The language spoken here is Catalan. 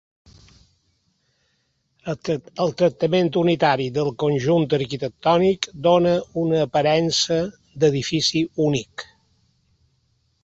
El tractament unitari del conjunt arquitectònic dóna una aparença d'edifici únic.